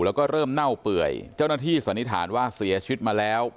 แล้วก็เริ่มเน่าเปื่อยเจ้าหน้าที่สันนิษฐานว่าเสียชีวิตมาแล้ว